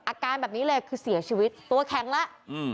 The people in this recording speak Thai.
อาการแบบนี้เลยคือเสียชีวิตตัวแข็งแล้ว